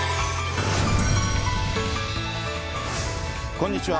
こんにちは。